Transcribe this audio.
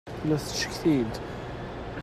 Tella tettcetki-d.